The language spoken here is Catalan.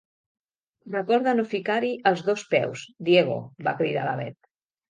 Recorda no ficar-hi els dos peus, Diego —va cridar la Bet.